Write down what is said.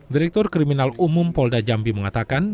direktur kriminal umum polda jambi mengatakan